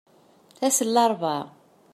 Ass n larebɛa.